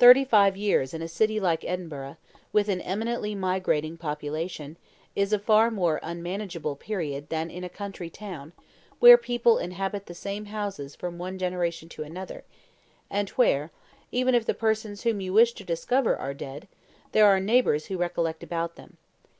Thirty five years in a city like Edinburgh, with an eminently migrating population, is a far more unmanageable period than in a country town, where people inhabit the same houses from one generation to another, and where, even if the persons whom you wish to discover are dead, there are neighbours who recollect about them.